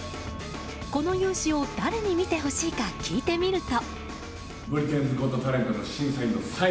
この勇姿を誰に見てほしいか聞いてみると。